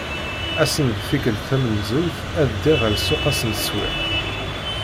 Ass-en d tikelt tamenzut ay ddiɣ ɣer ssuq ass n tsewwiqt.